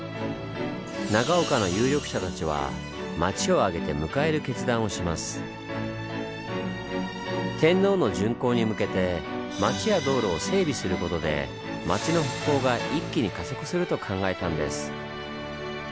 長岡の有力者たちは天皇の巡幸に向けて町や道路を整備することで町の復興が一気に加速すると考えたんです。